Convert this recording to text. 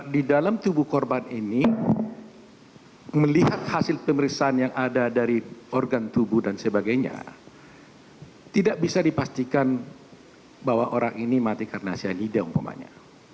di dalam tubuh korban ini melihat hasil pemeriksaan yang ada dari organ tubuh dan sebagainya tidak bisa dipastikan bahwa orang ini mati karena cyanida umpamanya